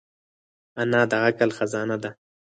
انا د عقل خزانه ده